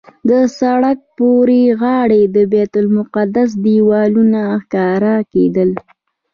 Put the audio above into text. د سړک پورې غاړې د بیت المقدس دیوالونه ښکاره کېدل.